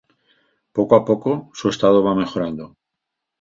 Poco a poco, su estado va mejorando.